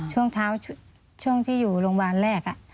ช่วงเท้าช่วงที่อยู่โรงพยาบาลแรก